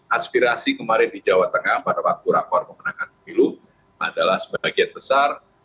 aspirasi kemarin di jawa tengah pada waktu rakor pemenangan pemilu adalah sebagian besar